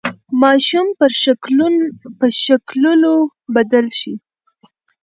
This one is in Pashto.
ماشوم پر ښکلولو بدل شي.